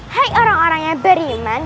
hai orang orang yang beriman